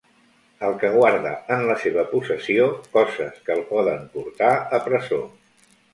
El que guarda en la seva possessió coses que el poden portar a presó.